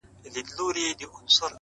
د زړه کور کي مي جانان په کاڼو ولي,